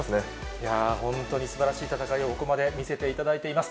いやぁ、本当にすばらしい戦いをここまで見せていただいています。